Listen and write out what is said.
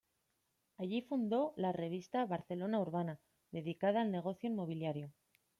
Allí fundó la revista "Barcelona Urbana", dedicada al negocio inmobiliario.